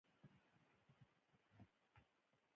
اوبه د بدن اړتیا ده